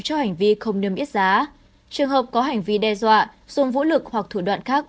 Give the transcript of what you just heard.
cho hành vi không niêm yết giá trường hợp có hành vi đe dọa dùng vũ lực hoặc thủ đoạn khác